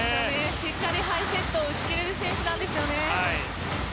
しっかりハイセットを打ち切る選手なんですよね。